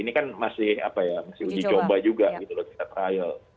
ini kan masih uji coba juga gitu loh kita trial